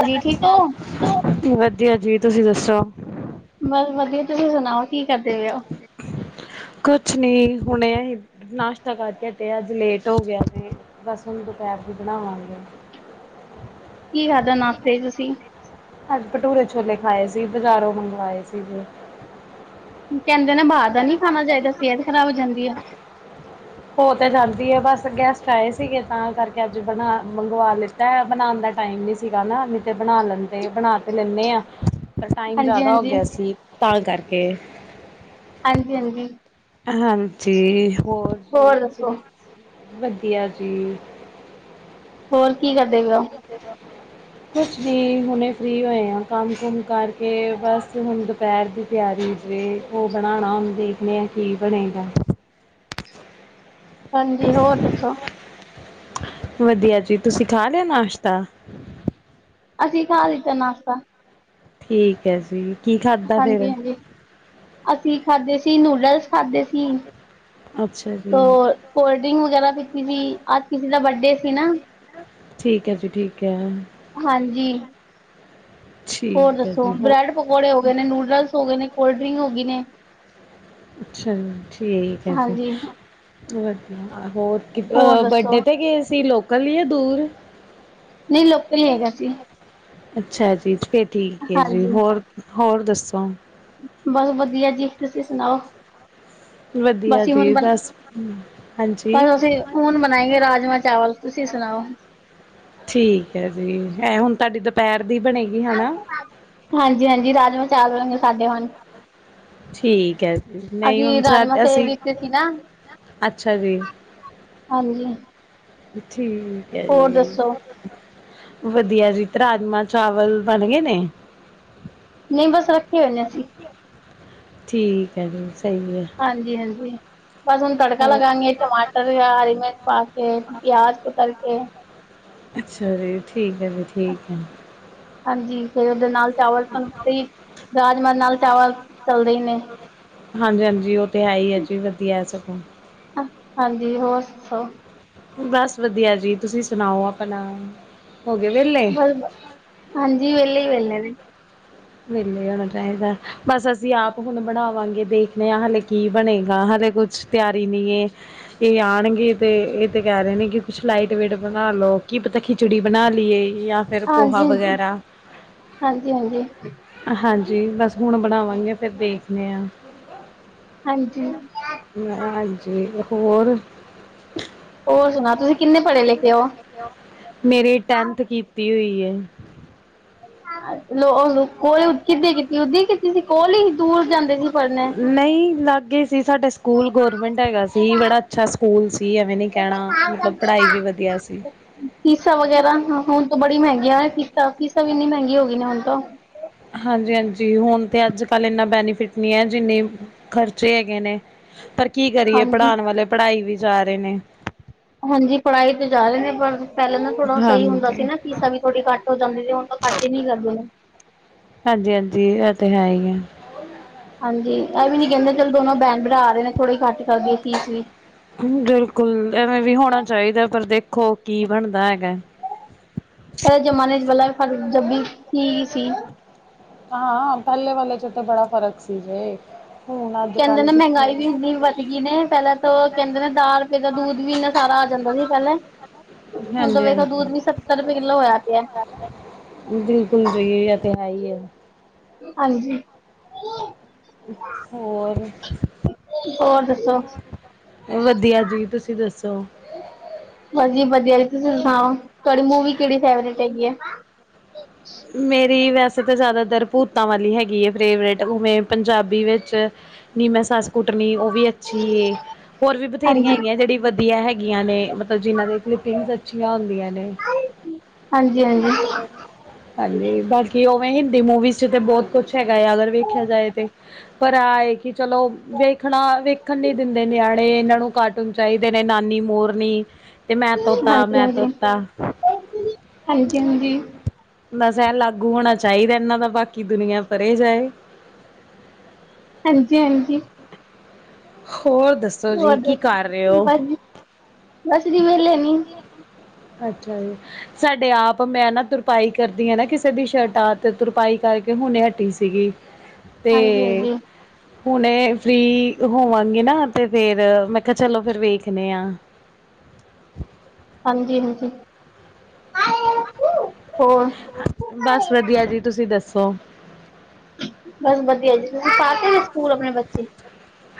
ਸਤ ਹਾਂਜੀ ਸ਼੍ਰੀ ਠੀਕ ਹੋ ਅਕਾਲ ਵਧੀਆ ਜੀ ਤੁਸੀਂ ਦੱਸੋ? ਬਸ ਵਧੀਆ ਤੁਸੀਂ ਸੁਣਾਓ ਕੀ ਕਰਦੇ ਹੋ ਹੋ? ਕੁਛ ਨੀ ਹੁਣੇ ਆ ਹੀ ਨਾਸ਼ਤਾ ਕਰਕੇ ਤੇ ਅੱਜ ਲੇਟ ਹੋ ਗਿਆ ਮੈਂ ਬਸ ਉਹਨੂੰ ਦੁਪਹਿਰ ਵੀ ਬਣਾਵਾਂਗੇ। ਹਾਂਜੀ। ਕੀ ਖਾਦਾ ਨਸਤੇ ਤੁਸੀਂ? ਅੱਜ ਭਟੂਰੇ ਛੋਲੇ ਖਾਏ ਸੀ ਬਜ਼ਾਰੋਂ ਮੰਗਵਾਏ ਸੀ ਜੇ। ਕਹਿੰਦੇ ਨਾ ਬਾਹਰ ਦਾ ਨੀ ਖਾਣਾ ਚਾਹੀਦਾ ਸਿਹਤ ਖਰਾਬ ਜਾਂਦੀ ਹੈ। ਹੋ ਤੇ ਜਾਂਦੀ ਐ ਬਸ ਗੈਸਟ ਆਏ ਸੀਗੇ ਤਾਂ ਕਰਕੇ ਅੱਜ ਬਣਾ ਮੰਗਵਾ ਲਿੱਤਾ ਬਣਾਣ ਦਾ ਟਾਈਮ ਨੀ ਸੀਗਾ ਨਈ ਤੇ ਬਣਾ ਲੈਂਦੇ ਬਣਾ ਤੇ ਲੈਂਦੇ ਆ। ਪਰ ਟਾਈਮ ਹਾਂਜੀ ਜ਼ਿਆਦਾ ਹੋ ਹਾਂਜੀ ਗਿਆ ਸੀ ਤਾਂ ਕਰਕੇ ਹਾਂਜੀ-ਹਾਂਜੀ, ਹਾਂਜੀ, ਹੋਰ ਜੀ ਤੁਸੀਂ ਦੱਸੋ? ਵਧੀਆ ਜੀ। ਹੋਰ ਕੀ ਕਰਦੇ ਪਏ ਔ? [inaudible] ਕੁਛ ਵੀ ਹੁਣੇ ਫਰੀ ਹੋਏ ਆ ਕੰਮ ਕੁਮ ਕਰਕੇ ਬਸ ਹੁਣ ਪਹਿਰ ਦੀ ਤਿਆਰੀ ਜੇ ਉਹ ਬਣਾਣਾ ਐ ਦੇਖਦੇ ਆ ਹੁਣ ਕੀ ਬਣੇਗਾ। ਹਾਂਜੀ ਹੋਰ ਦੱਸੋ? ਵਧੀਆ ਜੀ ਤੁਸੀਂ ਖਾ ਲਿਆ ਨਾਸ਼ਤਾ? ਅਸੀਂ ਖਾ ਲਿਤਾ ਨਾਸ਼ਤਾ। ਠੀਕ ਐ ਜੀ। ਕੀ ਖਾਧਾ ਹਾਂਜੀ ਫਿਰ ਹਾਂਜੀ, ਅਸੀਂ ਖਾਦੇ ਸੀ ਨੂਡਲਸ ਖਾਦੇ ਸੀ। ਅੱਛਾ ਜੀ ਸੋ ਕੋਲਡ ਡਰਿੰਕ ਵਗੈਰਾ ਪੀਤੀ ਸੀ ਅੱਜ ਕਿਸੇ ਦਾ ਬਰਡੇ ਸੀ ਨਾ। ਠੀਕ ਐ ਜੀ ਠੀਕ ਐ। ਹਾਂਜੀ, ਹੋਰ ਠੀਕ ਹੈ ਦੱਸੋ ਜੀ ਹੋ ਬ੍ਰੈਡ ਪਕੌੜੇ ਹੋ ਗਏ ਨੇ ਨੂਡਲਸ ਹੋ ਗਏ ਨੇ ਕੋਲਡ ਡਰਿੰਕ ਹੋ ਗਏ ਨੇ। ਅੱਛਾ ਜੀ ਠੀਕ ਐ ਜੀ, ਹਾਂਜੀ ਵਧੀਆ ਹੋਰ? ਹੋਰ ਬਰਡੇ ਦੱਸੋ ਤੇ ਗਏ ਸੀ ਲੋਕਲ ਜਾ ਦੂਰ? ਨਹੀਂ ਲੋਕਲ ਹੀ ਹੈਗਾ ਸੀ ਅੱਛਾ ਜੀ ਫੇਰ ਠੀਕ ਐ ਜੀ, ਹਾਂਜੀ ਹੋਰ-ਹੋਰ ਦੱਸੋ? ਬਸ ਵਧੀਆ ਜੀ, ਤੁਸੀਂ ਸੁਣਾਓ? ਵਧੀਆ ਬਸੀ ਹੁਣ, ਜੀ ਬਸ ਬਸ ਹਾਂਜੀ ਅਸੀਂ ਹੁਣ ਬਣਾਏ ਰਾਜਮਾਂ ਚਾਵਲ ਤੁਸੀਂ ਸੁਣਾਓ? ਠੀਕ ਐ ਜੀ ਇਹ ਹੁਣ ਤੁਹਾਡੀ ਦੁਪਹਿਰ ਦੀ ਬਣੇਗੀ ਹਨਾ। ਹਾਂਜੀ-ਹਾਂਜੀ ਰਾਜਮਾਂ ਚਾਵਲਗੇ ਸਾਡੇ ਹੁਣ ਠੀਕ ਐ ਜੀ ਨਹੀਂ ਅਸੀਂ ਹੁਣ ਰਾਜਮਾਂ ਸਾਡੇ ਸੇ ਅਸੀਂ ਵਿੱਚ ਸੀ ਨਾ ਅੱਛਾ ਜੀ। ਹਾਂਜੀ, ਠੀਕ ਐ ਹੋਰ ਜੀ। ਦੱਸੋ ਵਧੀਆ ਜੀ, ਤੇ ਰਾਜਮਾਂ ਚਾਵਲ ਬਣ ਗਏ ਨੇ? ਨਹੀਂ ਬਸ ਰੱਖੇ ਹੋਏ ਨੇ ਅਸੀਂ। ਠੀਕ ਐ ਜੀ ਸਹੀ ਗੱਲ, ਹਾਂਜੀ-ਹਾਂਜੀ, ਬਸ ਹੁਣ ਤੜਕਾ ਹੋਰ ਲਗਾ ਗੇ ਟਮਾਟਰ ਹਰੀ ਮਿਰਚ ਪਾ ਕੇ ਪਿਆਜ ਕੁਤਰ ਕੇ ਅੱਛਾ ਜੀ ਠੀਕ ਐ ਜੀ ਠੀਕ ਐ। ਹਾਂਜੀ ਫੇਰ ਉਹਦੇ ਨਾਲ ਚਾਵਲ, ਰਾਜਮਹ ਨਾਲ ਚਾਵਲ ਚੱਲਦੇ ਹੀ ਨੇ। ਹਾਂਜੀ ਹਾਂਜੀ ਉਹ ਤੇ ਹੈ ਈ ਐ ਜੀ ਵਧੀਆ ਸਗੋਂ। ਹਾਂਜੀ ਜੀ ਹੋਰ ਦੱਸੋ? ਬਸ ਵਧੀਆ ਜੀ, ਤੁਸੀਂ ਸੁਣਾਓ ਆਪਣਾ ਹੋ ਗਏ ਵੇਹਲੇ? ਬਸ ਹਾਂਜੀ ਵਹਲੇ ਈ ਵਹਲੇ ਨੇ। ਵੇਲੇ ਹੋਣਾ ਚਾਹੀਦਾ। ਬਸ ਅਸੀਂ ਆਪ ਹੁਣ ਬਣਾਵਾਂਗੇ ਦੇਖਦੇ ਆ ਹਲੇੇ ਕੀ ਬਣੇਗਾ ਹਲੇੇ ਕੁਛ ਤਿਆਰੀ ਨੀ ਐ। ਇਹ ਆਣਗੇ ਤੇ ਇਹ ਤੇ ਕਹਿ ਰਹੇ ਨੇ ਕਿ ਕੁੱਛ ਲਾਈਟ ਵੇਟ ਬਣਾ ਲਓ ਕੀ ਪਤਾ ਕਿ ਖਿਚੜੀ ਬਣਾ ਲਈਏ ਜਾਂ ਫਿਰ ਪੋਹਾ ਹਾਂਜੀ-ਹਾਂਜੀ, ਵਗੈਰਾ ਹਾਂਜੀ-ਹਾਂਜੀ। ਹਾਂਜੀ ਬਸ ਹੁਣ ਬਣਾਵਾਂਗੇ ਫਿਰ ਦੇਖਦੇ ਹਾਂ ਹਾਂਜੀ ਮੈਂ ਹਾਂਜੀ ਹੋਰ ਹੋਰ ਸੁਣਾ ਤੁਸੀਂ ਕਿੰਨੇ ਪੜ੍ਹੇ ਲਿਖੇ ਹੋ ਮੇਰੀ ਟੈਂਨਥ ਕੀਤੀ ਹੋਈ ਹੈ ਲੋ ਕੋਲ ਕਿੱਦ ਕੀਤੀ ਓਦਾਂ ਕੀਤੀ ਸੀ ਕੋਲ ਹੀ ਦੂਰ ਜਾਂਦੇ ਸੀ ਪੜ੍ਹਨੇ ਨਹੀਂ ਲਾਗੇ ਸੀ ਸਾਡਾ ਸਕੂਲ ਗੌਰਮੈਂਟ ਹੈਗਾ ਸੀ ਸੀ ਬੜਾ ਅੱਛਾ ਸਕੂਲ ਸੀ ਐਵੇਂ ਨੀ ਕਹਿਣਾ ਮਤਲਬ ਪੜ੍ਹਾਈ ਵੀ ਵਧੀਆ ਸੀ ਫੀਸਾਂ ਵਗੈਰਾ ਹੁਣ ਤੋਂ ਬੜੀ ਮਹਿੰਗੀਆਂ ਫੀਸਾਂ ਫੀਸਾਂ ਇੰਨੀ ਮਹਿੰਗੀ ਹੋ ਗਈ ਹੁਣ ਤੋਂ ਹਾਂਜੀ- ਹਾਂਜੀ ਹੁਣ ਤਾਂ ਅੱਜ- ਕੱਲ੍ਹ ਇੰਨਾ ਬੈਨੀਫਿਟ ਨਹੀਂ ਜਿੰਨੀ ਖਰਚੇ ਹੈਗੇ ਨੇ, ਪਰ ਕੀ ਕਰੀਏ ਹਾਂਜੀ ਪੜ੍ਹਾਉਣ ਵਾਲੇ ਪੜ੍ਹਾਈ ਵੀ ਜਾ ਰਹੇ ਨੇ ਹਾਂਜੀ ਪੜ੍ਹਾਈ ਤੇ ਜਾ ਰਹੇ ਨੇ ਪਰ ਪਹਿਲਾਂ ਨਾ ਥੋੜ੍ਹਾ ਸਹੀ ਹੁੰਦਾ ਸੀ ਹਾਂਜੀ ਨਾ ਫੀਸਾਂ ਵੀ ਥੋੜ੍ਹੀ ਘੱਟ ਹੋ ਜਾਂਦੀ ਹੁਣ ਹੁਣ ਘੱਟ ਨਹੀਂ ਕਰਦੇ ਹਾਂਜੀ ਹਾਂਜੀ ਇਹ ਤੇ ਹੈ ਹੀ ਹਾਂਜੀ ਇਹ ਵੀ ਨੀ ਕਹਿੰਦੇ ਚੱਲ ਦੋਨੋ ਬੈਨ ਬਰਾ ਆ ਰਹੇ ਨੇ ਥੋੜ੍ਹੇ ਘੱਟ ਕਰਦੀ ਏ ਫੀਸ ਵੀ ਬਿਲਕੁਲ ਐਵੇਂ ਵੀ ਹੋਣਾ ਚਾਹੀਦਾ ਪਰ ਦੇਖੋ ਕੀ ਬਣਦਾ ਹੈਗਾ ਇਹ ਜ਼ਮਾਨੇ 'ਚ ਬਲਾ ਫਰ ਜ ਵੀ ਕੀ ਸੀ ਹਾਂ- ਹਾਂ ਪਹਿਲੇ ਵਾਲੇ 'ਚ ਤੇ ਬੜਾ ਫ਼ਰਕ ਸੀ ਜੇ ਹੁਣ ਅੱਜ ਕਹਿੰਦੇ ਕੱਲ ਨੇ ਕਿੱਥੇ ਮਹਿੰਗਾਈ ਵੀ ਹਾਂਜੀ ਇੰਨੀ ਵੱਧ ਗਈ ਨੇ ਪਹਿਲਾਂ ਤਾਂ ਕਹਿੰਦੇ ਨੇ ਦਾਸ ਰੁਪਏ ਦਾ ਦੂਧ ਵੀ ਇੰਨਾ ਸਾਰਾ ਆ ਜਾਂਦਾ ਸੀ ਪਹਿਲਾਂ ਹੁਣ ਤਾਂ ਵੇਖੋ ਹਾਂਜੀ ਦੂਧ ਵੀ ਸੱਤਰ ਰੁਪਏ ਕਿੱਲੋ ਹੋਇਆ ਪਿਆ ਬਿਲਕੁਲ ਸਹੀਆ ਇਹ ਤੇ ਹੈ ਹੀ ਹੈ ਹਾਂਜੀ [unintelligible] ਹੋਰ ਹੋਰ ਦੱਸੋ ਵਧੀਆ ਜੀ ਤੁਸੀਂ ਦੱਸੋ ਬਸ ਜੀ ਵਧੀਆ ਜੀ ਤੁਸੀਂ ਸੁਣਾਓ ਤੁਹਾਡੀ ਮੂਵੀ ਕਿਹੜੀ ਫੇਵਰੇਟ ਹੈਗੀ ਆ ਮੇਰੀ ਵੈਸੇ ਤਾਂ ਜ਼ਿਆਦਾਤਰ ਭੂਤਾਂ ਵਾਲੀ ਹੈਗੀ ਫੇਵਰੇਟ ਉਵੇਂ ਪੰਜਾਬੀ ਵਿੱਚ ਨੀਮੈਂ ਸੱਸ ਕੁੱਟਣੀ ਉਹ ਵੀ ਅੱਛੀ ਏ ਹੋਰ ਵੀ ਬਥੇਰੀਆਂ ਹਾਂਜੀ। ਹੈਗੀ ਜਿਹੜੀ ਵਧੀਆ ਹੈਗੀਆਂ ਨੇ ਮਤਲਬ ਜਿਨ੍ਹਾਂ ਦੇ ਫਲਿਪਿੰਗਸ ਅੱਛੀਆਂ ਹੁੰਦੀਆਂ ਨੇ ਹਾਂਜੀ ਹਾਂਜੀ ਹਾਂਜੀ ਬਾਕੀ ਉਵੇਂ ਹਿੰਦੀ ਮੂਵੀਜ਼ 'ਚ ਤੇ ਬਹੁਤ ਕੁਛ ਹੈਗਾ ਆ ਅਗਰ ਵੇਖਿਆ ਜਾਏ ਤੇ ਪਰ ਆ ਕਿ ਚਲੋ ਵੇਖਣਾ ਵੇਖਣ ਨੀ ਦਿੰਦੇ ਨਿਆਣੇ ਇਹਨਾਂ ਨੂੰ ਕਾਟੂ ਉਹਨੂੰ ਚਾਹੀਦੇ ਨੇ ਨਾਨੀ ਮੋਰਨੀ ਤੇ ਮੈਂ ਤੋਤਾ ਹਾਂਜੀ ਮੈਂ ਹਾਂਜੀ। ਤੋਤਾ ਹਾਂਜੀ ਹਾਂਜੀ ਬਸ ਏਹ ਲਾਗੂ ਹੋਣਾ ਚਾਹੀਦਾ ਇਹਨਾਂ ਦਾ ਬਾਕੀ ਦੁਨੀਆਂ ਪਰੇ ਜਾਏ ਹਾਂਜੀ ਹਾਂਜੀ ਹੋਰ ਦੱਸੋ ਹੋ ਜੀ ਕੀ ਦਸ ਕਰ ਰਹੇ ਹੋ ਬਸ ਜੀ ਬਸ ਜੀ ਵਿਹਲੇ ਨੀ ਅੱਛਾ ਜੀ ਸਾਡੇ ਆਪ ਮੈਂ ਨਾ ਤੁਰਪਾਈ ਕਰਦੀ ਨਾ ਕਿਸੇ ਦੀ ਸ਼ਰਟਾਤ ਤੁਰਪਾਈ ਕਰਕੇ ਹੁਣੇ ਹਟੀ ਸੀਗੀ ਤੇ ਹਾਂਜੀ ਹਾਂਜੀ ਹੁਣੇ ਫਰੀ ਹੋਵਾਂਗੇ ਨਾ, ਤੇ ਫੇਰ, ਮੈਂ ਕਿਹਾ ਚਲੋ ਫਿਰ ਵੇਖਦੇ ਆਂ ਹਾਂਜੀ -ਹਾਂਜੀ, ਹੋਰ ਬਸ ਵਧੀਆ ਜੀ ਤੁਸੀਂ ਦੱਸੋ ਬਸ ਵਧੀਆ ਜੀ ਤੁਸੀਂ ਪਾਤੇ ਸਕੂਲ ਆਪਣੇ ਬੱਚੇ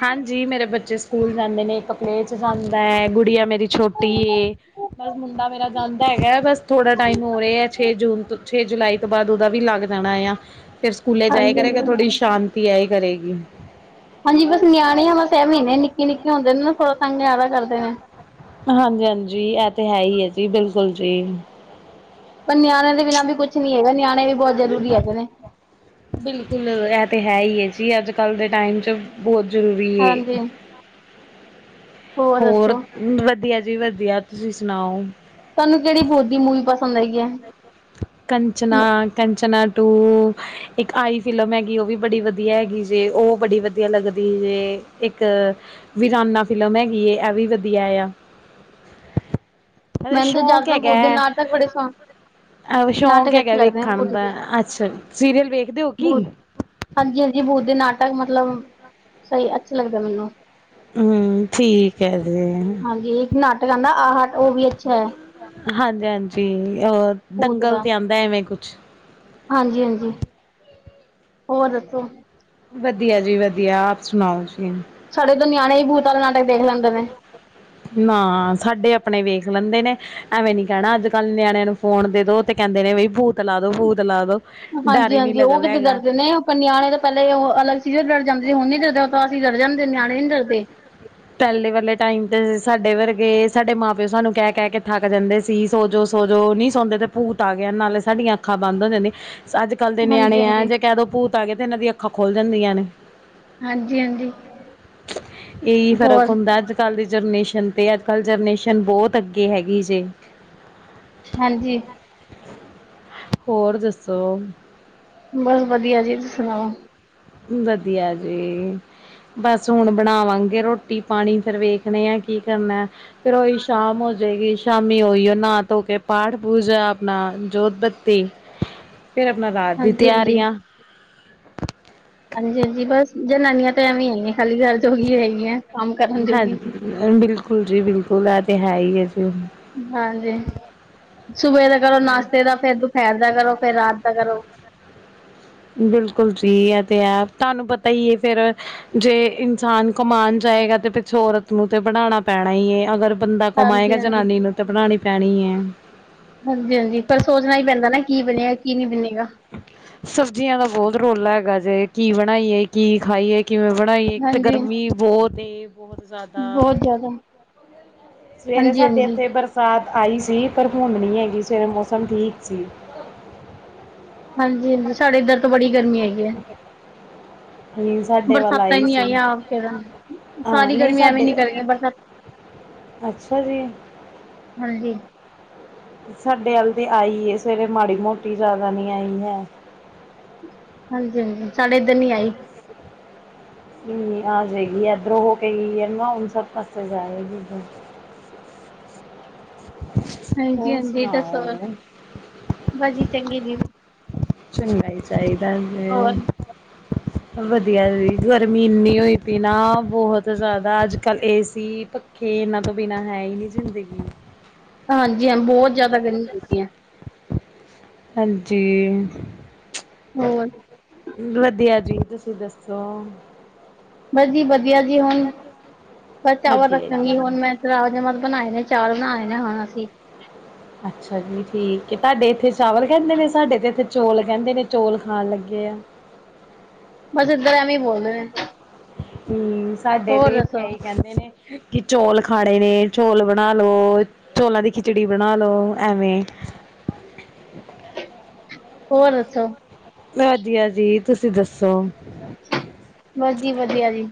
ਹਾਂਜੀ ਮੇਰੇ ਬੱਚੇ ਸਕੂਲ ਜਾਂਦੇ ਨੇ ਇਕ ਪਲੇਵੇ ਜਾਂਦਾ ਹੈ ਗੁੜੀਆਂ ਮੇਰੀ ਛੋਟੀ ਏ, ਬਸ ਮੁੰਡਾ ਮੇਰਾ ਜਾਂਦਾ ਹੈਗਾ ਬਸ ਥੋੜਾ ਟਾਈਮ ਹੋ ਰਿਹਾ ਹੈ ਛੇ ਜੂਨ ਤੋਂ ਛੇ ਜੁਲਾਈ, ਤੋਂ ਬਾਅਦ ਉਹਦਾ ਵੀ ਲੱਗ ਜਾਣਾ ਆ ਫਿਰ ਸਕੂਲੇ ਜਾਏ ਹਾਂਜੀ ਕਰੇਗਾ ਹਾਂਜੀ ਥੋੜ੍ਹੀ ਸ਼ਾਂਤੀ ਆਈ ਕਰੇਗੀ, ਹਾਂਜੀ ਬਸ ਨਿਆਣੇ ਆ ਬਸ ਇਹ ਮਹੀਨੇ ਨਿੱਕੇ ਨਿੱਕੇ ਹੁੰਦੇ ਨੇ ਨਾ ਥੋੜਾ ਤੰਗ ਜ਼ਿਆਦਾ ਕਰਦੇ ਨੇ, ਹਾਂਜੀ-ਹਾਂਜੀ, ਇਹ ਤੇ ਹੈ ਹੀ ਹੈ ਜੀ ਬਿਲਕੁਲ ਜੀ। ਪਰ ਨਿਆਣਿਆ ਦੇ ਬਿਨਾਂ ਵੀ ਕੁਛ ਨੀ ਹੈਗਾ ਨਿਆਣੇ ਵੀ ਬਹੁਤ ਜ਼ਰੂਰੀ ਹੈਗੇ ਨੇ। ਬਿਲਕੁਲ ਇਹ ਤੇ ਹੈ ਹੀ ਹੈ ਜੀ ਅੱਜ ਕੱਲ ਦੇ ਟਾਈਮ ਚ ਬਹੁਤ ਜ਼ਰੂਰੀ ਹਾਂਜੀ। ਨੇ। ਹੋਰ ਵਧੀਆ ਜੀ ਵਧੀਆ ਤੁਸੀਂ ਸੁਣਾਓ। ਤੁਹਾਨੂੰ ਕਿਹੜੀ ਬੋ ਦੀ ਮੂਵੀ ਪਸੰਦ ਹੈਗੀ ਹੈ। ਕਚਨਾ ਕਚਨਾ ਟੂ, ਇੱਕ ਆਈ ਫਿਲਮ ਹੈਗੀ ਉਹ ਵੀ ਬੜੀ ਵਧੀਆ ਹੈਗੀ ਜੇ ਉਹ ਬੜੀ ਵਧੀਆ ਲੱਗਦੀ ਜੇ ਇੱਕ, ਵੀਰਾਨਾ ਫਿਲਮ ਹੈਗੀ ਏ ਇਹ ਵੀ ਵਧੀਆ ਆ, ਰ ਮੈਨੂੰ ਤਾਂ ਸ਼ੌਕ ਜ਼ਿਆਦਾਤਰ ਭੂਤ ਹੈਗਾ, ਦੇ ਨਾਟਕ ਬੜੇ ਸੌ ਅ ਸ਼ੌਕ ਨਾਟਕ ਹੈਗਾ ਅੱਛੇ ਲੱਗਦੇ ਨੇ ਵੇਖਣ ਭੂਤ ਦਾ ਦੇ ਅੱਛਾ ਸੀਰੀਅਲ ਵੇਖਦੇ ਹੋ ਕੀ? ਹਾਂਜੀ-ਹਾਂਜੀ ਬੂਤ ਦੇ ਨਾਟਕ ਮਤਲਬ ਸਹੀ ਅੱਛਾ ਲੱਗਦਾ ਮੈਨੂੰ, ਹਮ ਠੀਕ ਹੈ ਜੀ ਹਾਂਜੀ ਇੱਕ ਨਾਟਕ ਆਂਦਾ ਆ ਉਹ ਵੀ ਅੱਛਾ ਹੈ। ਹਾਂਜੀ-ਹਾਂਜੀ ਅਹ ਦੰਗਲ ਤੇ ਆਂਦਾ ਐਵੇਂ ਕੁਛ ਹਾਂਜੀ-ਹਾਂਜੀ। ਵਧੀਆ ਜੀ ਵਧੀਆ ਆਪ ਸੁਣਾਓ ਜੀ। ਸਾਡੇ ਤਾ ਨਿਆਣੇ ਹੀ ਭੂਤ ਆਲਾ ਨਾਟਕ ਦੇਖ ਲੈਂਦੇ ਨੇ। ਅ ਨਾ ਸਾਡੇ ਆਪਣੇ ਵੇਖ ਲੈਂਦੇ ਨੇ ਐਵੇਂ ਨੀ ਕਹਿਣਾ ਅੱਜ ਕੱਲ ਨਿਆਣਿਆ ਨੂੰ ਫੋਨ ਦੇ ਦੋ, ਤੇ ਕਹਿੰਦੇ ਨੇ ਵੀ ਭੂਤ ਲਾ ਦੋ ਭੂਤ ਲਾ ਦੋ। ਡਰ ਹੀ ਨੀ ਹਾਂਜੀ-ਹਾਂਜੀ, ਉਹ ਲੱਗਦਾ ਕਿਥੇ ਹੈਗਾ ਡਰਦੇ ਨੇ, ਪਰ ਨਿਆਣੇ ਤਾ ਪਹਿਲੇ ਉਹ ਅਲਗ ਸੀਜ਼ਅਰ ਡਰ ਜਾਂਦੇ ਸੀ ਹੁਣ ਨੀ ਡਰਦੇ ਉਹ ਤਾ ਅਸੀ ਡਰ ਜਾਂਦੇ ਨਿਆਣੇ ਨੀ ਡਰਦੇ। ਪਹਿਲੇ ਵਾਲੇ ਟਾਈਮ ਤੇ ਸਾਡੇ ਵਰਗੇ ਸਾਡੇ ਮਾਂ ਪਿਓ ਸਾਨੂੰ ਕਹਿ ਕਹਿ ਕੇ ਥੱਕ ਜਾਂਦੇ ਸੀ। ਸੋਜੋ ਸੋਜੋ ਨਈ ਸੌਂਦੇ ਤੇ ਭੂਤ ਆ ਗਿਆ ਨਾਲੇ ਸਾਡੀਆਂ ਅੱਖਾਂ ਬੰਦ ਹੋ ਜਾਂਦੀਆਂ ਅੱਜ ਕੱਲ ਦੇ ਨਿਆਣੇ ਹੈ ਹਾਂਜੀ-ਹਾਂਜੀ। ਜੇ ਕਹਿ ਦੋ ਭੂਤ ਆ ਗਿਆ ਤੇ ਇਹਨਾਂ ਦੀ ਅੱਖਾਂ ਖੋਲ੍ਹ ਜਾਂਦੀਆਂ ਨੇ। ਹਾਂਜੀ-ਹਾਂਜੀ। ਇਹੀ ਫ਼ਰਕ ਹੋਰ ਹੁੰਦਾ ਅੱਜ ਅੱਜ ਕੱਲ ਦੀ ਜਨਰੇਸ਼ਨ ਤੇ ਅੱਜ ਕੱਲ ਜਰਨਰੇਸ਼ਨ ਬੌਤ ਅੱਗੇ ਹੈਗੀ ਜੇ। ਹਾਂਜੀ। ਹੋਰ ਦੱਸੋ, ਬਸ ਵਧੀਆ ਜੀ ਤੁਸੀਂ ਸੁਣਾਓ। ਵਧੀਆ ਜੀ। ਬਸ ਹੁਣ ਬਣਾਵਾਂਗੇ ਰੋਟੀ ਪਾਣੀ ਫਿਰ ਵੇਖਣੇ ਆ ਕੀ ਕਰਨਾ, ਫਿਰ ਉਹੀ ਸ਼ਾਮ ਹੋ ਜਾਏਗੀ ਸ਼ਾਮੀ ਓਹੀਓ ਨਹਾ ਧੋਕੇ ਪਾਠ ਪੂਜਾ ਆਪਣਾ ਜੋਤ ਬੱਤੀ, ਫੇਰ ਆਪਣਾ ਰਾਤ, ਦੀ ਹਾਂਜੀ-ਹਾਂਜੀ, ਤਿਆਰੀਆਂ ਹਾਂਜੀ-ਹਾਂਜੀ, ਬਸ ਜਨਾਨੀਆਂ ਤਾ ਐਵੇਂ ਹੀ ਨੇ, ਪਹਿਲੀ ਗੱਲ ਜੋਗੀ ਹੈਗੀ ਹੈ ਕੰਮ ਕਰਨ ਜੋਗੀ, ਹਾ ਬਿਲਕੁਲ ਜੀ ਬਿਲਕੁਲ ਆ ਤੇ ਹੈ ਹੀ ਹੈ ਜੀ। ਹਾਂਜੀ ਸੁਬੇ ਦਾ ਕਰੋ ਨਾਸ਼ਤੇ ਦਾ ਫੇਰ ਦੁਪਹਿਰ ਦਾ ਕਰੋ ਫੇਰ ਰਾਤ ਦਾ ਕਰੋ। ਬਿਲਕੁਲ ਜੀ ਹੈ ਤੇ ਹੈ ਤੁਹਾਨੂੰ ਪਤਾ ਹੀ ਹੈ ਫੇਰ, ਜੇ ਇਨਸਾਨ ਕਮਾਨ ਜਾਏਗਾ ਤੇ ਪਿੱਛੋ ਔਰਤ ਨੂੰ ਤੇ ਬਣਾਣਾ ਪੈਣਾ ਈ ਏ ਅਗਰ, ਬੰਦਾ ਕਮਾਏਗਾ ਹਾਂਜੀ-ਹਾਂਜੀ। ਜਨਾਨੀ ਨੂੰ ਤੇ ਬਣਾਣੀ ਪੈਣੀ ਐ। ਹਾਂਜੀ-ਹਾਂਜੀ ਪਰ ਸੋਚਣਾ ਈ ਪੈਂਦਾ ਨਾ ਕੀ ਬਣੇਗਾ ਕੀ ਨਹੀਂ ਬਣੇੇਗਾ। ਸਬਜ਼ੀਆਂ ਦਾ ਬਹੁਤ ਰੋਲਾ ਹੈਗਾ ਜੇ ਕੀ ਬਣਾਈਏ ਕੀ ਖਾਈਏ। ਕਿਵੇਂ ਬਣਾਈ ਇੱਕ ਤਾਂ ਹਾਂਜੀ ਗਰਮੀ ਬੋਤ ਐ ਬੋਤ ਜ਼ਿਆਦਾ। ਬਹੁਤ ਜ਼ਿਆਦਾ। ਸਵੇਰੇ ਸਾਡੇ ਹਾਂਜੀ-ਹਾਂਜੀ। ਇੱਥੇ ਬਰ ਸਾਤ ਆਈ ਸੀ ਪਰ ਹੁਣ ਨੀ ਹੈਗੀ ਸਵੇਰੇ ਮੌਸਮ ਠੀਕ ਸੀ। ਹਾਂਜੀ-ਹਾਂਜੀ ਸਾਡੇ ਇੱਧਰ ਤੋਂ ਬੜੀ ਗਰਮੀ ਹੈਗੀ ਐ। ਨਹੀਂ ਸਾਡੇ ਵੱਲ ਬਰਸਾਤਾਂ ਆਈ ਈ ਨੀ ਸੀ ਆਈਆਂ ਫੇਰ ਹਾਂ ਸਾਰੀ ਨਹੀਂ ਗਰਮੀਆਂ ਐਵੇ ਸਾਡੇ ਨਿਕਲ ਗਈਆਂ ਬਰਸਤ ਅੱਛਾ ਜੀ। ਹਾਂਜੀ। ਸਾਡੇ ਵੱਲ ਤੇ ਆਈ ਸਵੇਰੇ ਮਾੜੀ ਮੋਟੀ ਜ਼ਿਆਦਾ ਨੀ ਆਈ ਹੈ। ਹਾਂਜੀ-ਹਾਂਜੀ ਸਾਡੇ ਇੱਧਰ ਨੀ ਆਈ। [inaudible] ਇਨੀ ਆ ਜੇ ਗੀ ਇੱਧਰੋਂ ਹੋ ਕੇ ਗਈ ਐ ਨਾ ਹੁਣ ਸਭ ਪਾਸੇ ਜਾਏਗੀ ਇੱਧਰ ਹੋਰ ਹਾਂਜੀ-ਹਾਂਜੀ ਦੱਸੋ, ਸੁਣਾਓ ਬਸ ਜੀ ਚੰਗੀ ਜੀ। ਚੰਗਾ ਈ ਚਾਹੀਦਾ ਹੋਰ ਵੇ। ਵਧੀਆ ਜੀ ਗਰਮੀ ਇੰਨੀ ਹੋਈ ਪਈ ਨਾ ਬਹੁਤ ਜ਼ਿਆਦਾ ਅੱਜ ਕੱਲ ਏਸੀ ਪ ਖੇ ਇਹਨਾਂ ਤੋਂ ਬਿਨਾਂ ਹੈ ਈ ਨੀ ਜ਼ਿੰਦਗੀ। ਹਾਂਜੀ ਹਾਂ ਬਹੁਤ ਜਿਆਦਾ ਗਰਮੀ ਹੁੰਦੀ ਐ। ਹਾਂਜੀ, ਹੋਰ? ਵਧੀਆ ਜੀ, ਤੁਸੀਂ ਦੱਸੋ? ਬਸ ਜੀ ਵਧੀਆ ਜੀ ਹੁਣ, ਬਸ ਚਾਵਲ ਵਧੀਆ ਰੱਖਾਂਗੀ ਜੀ ਹੁਣ ਮੈਂ ਰਾਜ ਮਾ ਬਣਾਏ ਨੇ ਚਾਵਲ ਬਣਾਏ ਨੇ ਹੁਣ ਅਸੀਂ ਅੱਛਾ ਜੀ ਠੀਕ ਤੁਹਾਡੇ ਇੱਥੇ ਚਾਵਲ ਕਹਿੰਦੇ ਨੇ ਸਾਡੇ ਤੇ ਇਥੇ ਚੌਲ ਕਹਿੰਦੇ ਨੇ ਚੌਲ ਖਾਣ ਲੱਗੇ ਆ। ਬਸ ਇੱਧਰ ਐਵੇਂ ਬੋਲਦੇ ਨੇ। ਹੂੰ ਸਾਡੇ ਹੋਰ ਤੇ ਇੱਥੇ ਦੱਸੋ ਅਈ ਕਹਿੰਦੇ ਨੇ। ਕਿ ਚੌਲ ਖਾਣੇ ਨੇ ਚੌਲ ਬਣਾ ਲੋ। ਚੋਲਾਂ ਦੀ ਖਿਚੜੀ ਬਣਾ ਲੋ ਐਵੇਂ। ਹੋਰ ਦੱਸੋ? ਵਧੀਆ ਜੀ, ਤੁਸੀਂ ਦੱਸੋ? ਬਸ ਜੀ ਵਧੀਆ ਜੀ।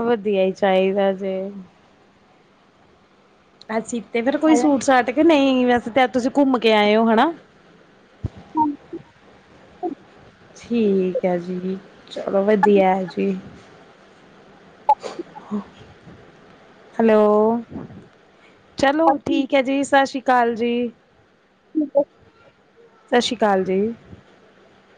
ਵਧੀਆ ਈ ਚਾਹੀਦਾ ਜੀ। ਅਸੀ ਤੇ ਫੇਰ ਕੋਈ ਹੈਲੋ ਸੂਟ ਸਾਟ ਕੇ ਨਈ ਵੈਸੇ ਤੇ ਤੁਸੀਂ ਘੁੰਮ ਕੇ ਆਏ ਔ ਹਨਾ। ਠੀਕ ਐ ਜੀ, ਚਲੋ ਵਧੀਆ ਜੀ। ਹੈਲੋ ਚਲੋ ਠੀਕ ਐ ਜੀ ਸਤਿ ਸ਼੍ਰੀ ਅਕਾਲ ਜੀ। ਸਤਿ ਸ਼੍ਰੀ ਅਕਾਲ ਜੀ।